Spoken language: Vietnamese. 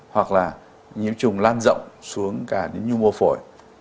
hoặc là nhiễm trùng lan rộng xuống cả đến nhu mô phổi